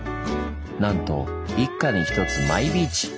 なんと一家に一つマイビーチ。